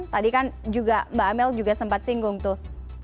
tadi kan juga mbak amel juga sempat singgung tuh